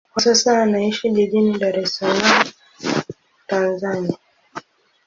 Kwa sasa anaishi jijini Dar es Salaam, Tanzania.